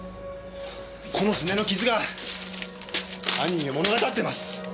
このスネの傷が犯人を物語ってます。